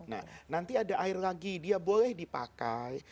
nah nanti ada air lagi dia boleh dipakai